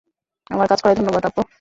আমার কাজ করায় ধন্যবাদ, আব্বু।